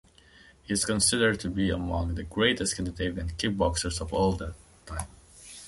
He is considered to be among the greatest Scandinavian kickboxers of all time.